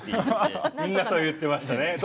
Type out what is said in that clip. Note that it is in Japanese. みんな言っていましたね。